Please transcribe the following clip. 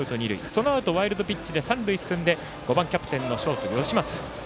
そのあとワイルドピッチで三塁に進んで５番キャプテンのショート、吉松。